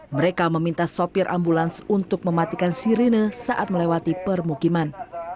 mereka meminta sopir ambulans untuk mematikan sirine saat melewati permukiman